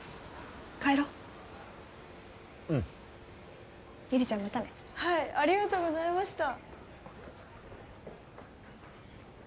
帰ろううん依里ちゃんまたねはいありがとうございました